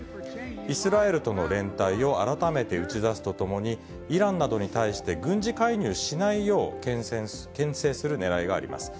イスラエルとの連帯を改めて打ち出すとともに、イランなどに対して軍事介入しないようけん制するねらいがあります。